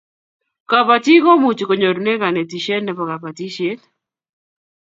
kabatiek komuchi konyorune kanetishet nebo kabatishiet